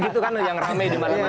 itu kan yang rame di mana mana